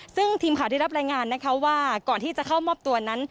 ซึ่งทีมข่าวได้รับรายงานนะคะว่าก่อนที่จะเข้ามอบตัวนั้น